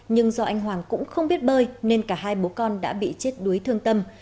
nhưng do anh hoàng cũng không biết bơi nên cả hai bố con đã bị chết đuối thương tâm